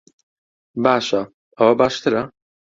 باشە، ئەوە باشترە؟